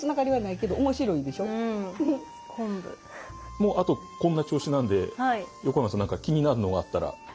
もうあとこんな調子なんで横山さん何か気になるのがあったら。